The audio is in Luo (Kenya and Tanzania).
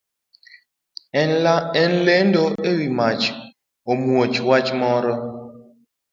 En lendo ewi wach thuon wach moro.